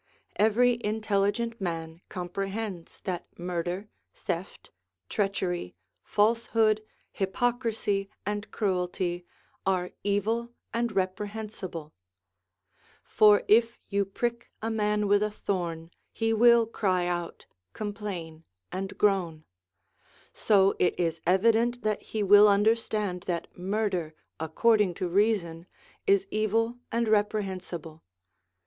Every intelli gent man comprehends that murder, theft, treachery, falsehood, hypocrisy, and cruelty are evil and reprehen sible ; for if you prick a man with a thorn, he will cry out, complain, and groan ; so it is evident that he will understand that murder according to reason is evil and reprehensible.